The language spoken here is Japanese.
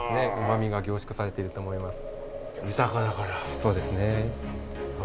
そうですね。